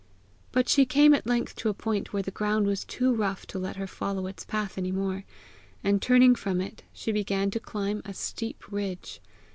But she came at length to a point where the ground was too rough to let her follow its path any more, and turning from it, she began to climb a steep ridge.